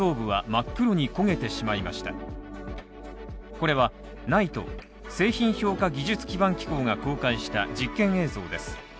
これはＮＩＴＥ＝製品評価技術基盤機構が公開した実験映像です。